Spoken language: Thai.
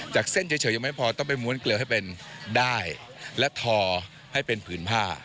เส้นเฉยยังไม่พอต้องไปม้วนเกลือให้เป็นด้ายและทอให้เป็นผืนผ้า